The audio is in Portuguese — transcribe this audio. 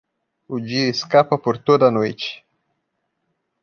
O dia escapa por toda a noite.